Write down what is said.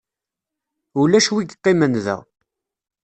Ulac wi yeqqimen da.